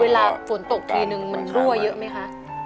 เวลาฝนตกทีนึงมันรั่วเยอะไหมคะ